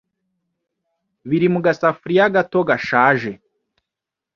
biri mu gasafuriya gato gashaje